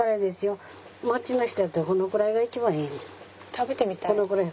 食べてみたい。